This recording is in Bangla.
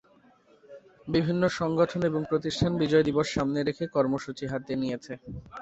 বিভিন্ন সংগঠন এবং প্রতিষ্ঠান বিজয় দিবস সামনে রেখে কর্মসূচি হাতে নিয়েছে।